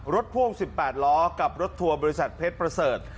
พ่วง๑๘ล้อกับรถทัวร์บริษัทเพชรประเสริฐ